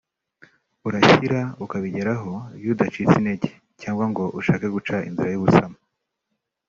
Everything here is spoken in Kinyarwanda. urashyira ukabigeraho iyo udacitse intege cyangwa ngo ushake guca inzira y’ubusamo